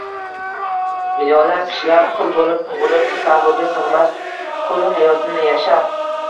millionlab kishilar qul bo’lib tug’ilib, tasavvurga sig’mas qul hayotini yashab